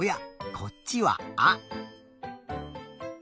こっちは「あ」。